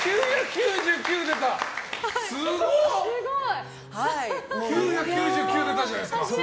すごい！９９９出たじゃないですか。